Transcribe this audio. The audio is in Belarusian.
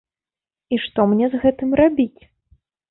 І што мне з гэтым рабіць?